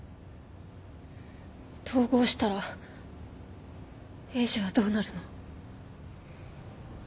統合したらエイジはどうなるの？